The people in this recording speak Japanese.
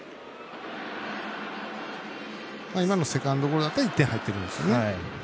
今のセカンドゴロだったら１点、入ってるんですね。